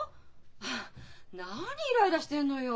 はあ何イライラしてんのよ？